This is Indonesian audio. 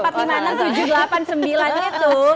kamu dulu gitu